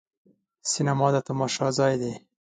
سینما د تماشا ځای دی.